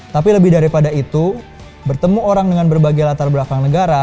tapi lebih daripada itu bertemu orang dengan berbagai latar belakang negara